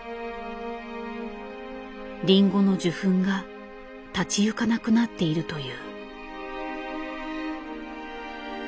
リンゴの受粉が立ち行かなくなっているという。